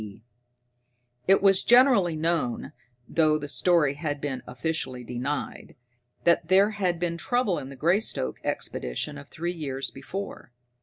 D. It was generally known though the story had been officially denied that there had been trouble in the Greystoke Expedition of three years before.